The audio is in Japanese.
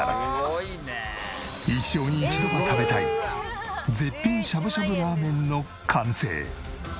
一生に一度は食べたい絶品しゃぶしゃぶラーメンの完成。